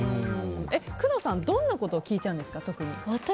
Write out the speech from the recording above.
工藤さんはどんなことを聞いちゃいますか。